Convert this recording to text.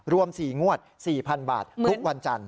รวม๔งวด๔๐๐๐บาททุกวันจันทร์